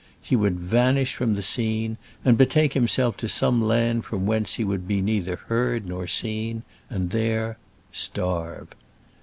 He would vanish from the scene and betake himself to some land from whence he would be neither heard nor seen, and there starve.